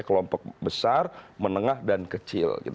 kelompok besar menengah dan kecil